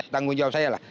tanggung jawab saya lah